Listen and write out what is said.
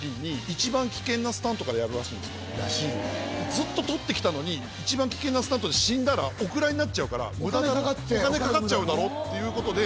ずっと撮ってきたのに一番危険なスタントで死んだらお蔵入りになっちゃうからお金かかっちゃうだろっていうことで。